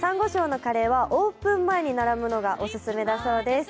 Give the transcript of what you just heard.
珊瑚礁のカレーはオープン前に並ぶのがオススメだそうです。